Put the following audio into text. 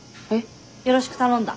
よろしく頼んだ。